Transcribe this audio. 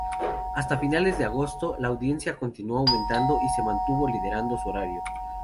Hasta finales de agosto, la audiencia continuó aumentando y se mantuvo liderando su horario.